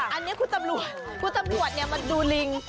อันนี้คุณตำรวจคุณตำรวจมาดูลิง